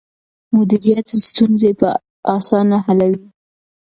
مديريت ستونزې په اسانه حلوي.